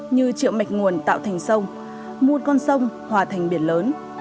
như triệu mạch nguồn tạo thành sông mua con sông hòa thành biển lớn